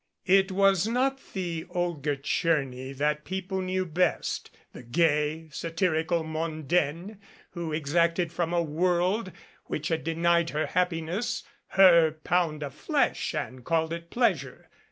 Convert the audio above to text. It was not the Olga Tcherny that people knew best the gay, satirical mondaine, who exacted from a world which had denied her happiness her pound of flesh and called it pleasure.